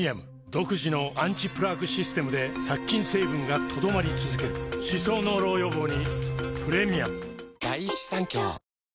独自のアンチプラークシステムで殺菌成分が留まり続ける歯槽膿漏予防にプレミアム